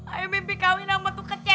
ayo mimpi kawinan muntuh kece